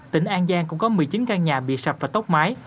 tỉnh an giang cũng có một mươi chín căn nhà bị sập và tốc mái